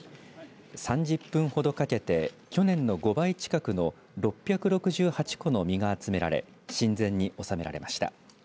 ３０分ほどかけて去年の５倍近くの６６８個の実が集められ神前に納められました。